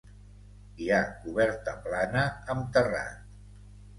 Hi ha coberta plana amb terrat.